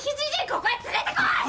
ここへ連れてこい！